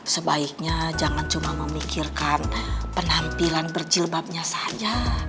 sebaiknya jangan cuma memikirkan penampilan berjilbabnya saja